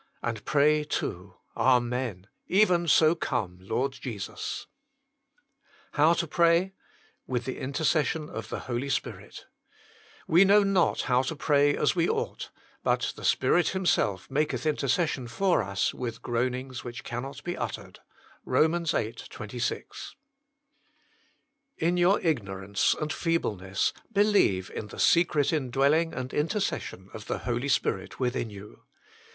And pray too : Amen. Even so, come, Lord Jesus ! now TO PRAY. JHHiilj ilje inimmion of tl;e %olg Spirit "We know not how to pray as we ought ; but the Spirit Him self maketh intercession for us with groanings which cannot be uttered." ROM. viii. 26. In your ignorance and feebleness believe in the secret indwelling and intercession of the Holy Spirit within you.